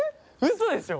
嘘でしょ？